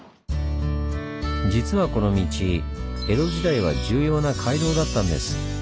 実はこの道江戸時代は重要な街道だったんです。